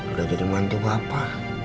udah jadi mantu bapak